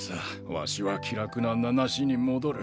わしは気楽な名無しに戻る。